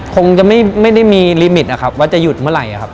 คงจะไม่ได้มีลิมิตนะครับว่าจะหยุดเมื่อไหร่ครับ